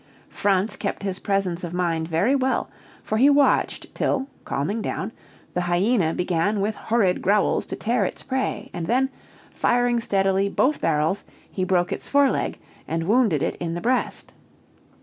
Franz kept his presence of mind very well; for he watched till, calming down, the hyena began with horrid growls to tear its prey; and then, firing steadily both barrels, he broke its foreleg, and wounded it in the breast.